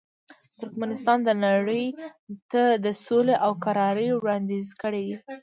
ترکمنستان نړۍ ته د سولې او کرارۍ وړاندیز کړی دی.